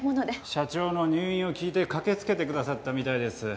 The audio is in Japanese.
社長の入院を聞いて駆けつけてくださったみたいです。